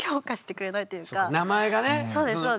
そうですそうです。